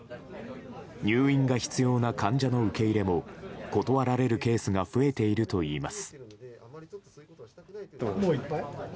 入院が必要な患者の受け入れも断られるケースが増えているといいます。